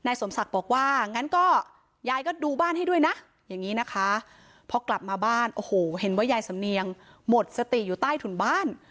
อย่างนี้นะคะเพราะกลับมาบ้านโอ้โหเห็นว่ายายสำเนียงหมดสติอยู่ใต้ถุนบ้าน